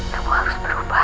kamu harus berubah